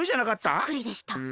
そっくりでした。